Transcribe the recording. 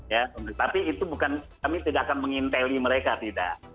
ya tapi itu bukan kami tidak akan menginteli mereka tidak